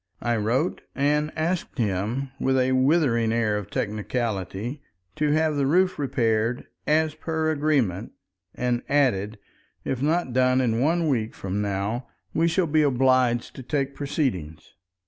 I wrote and asked him, with a withering air of technicality, to have the roof repaired "as per agreement," and added, "if not done in one week from now we shall be obliged to take proceedings."